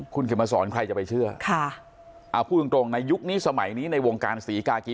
คุณเข็มมาสอนใครจะไปเชื่อค่ะเอาพูดตรงในยุคนี้สมัยนี้ในวงการศรีกากี